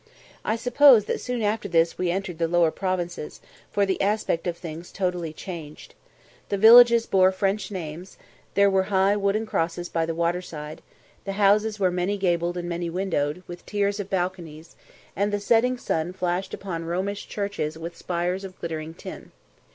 I suppose that soon after this we entered the Lower Province, for the aspect of things totally changed. The villages bore French names; there were high wooden crosses by the water side; the houses were many gabled and many windowed, with tiers of balconies; and the setting sun flashed upon Romish churches with spires of glittering tin.